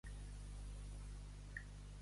A la rega.